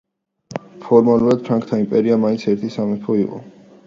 ფორმალურად ფრანკთა იმპერია მაინც ერთიანი სამეფო იყო.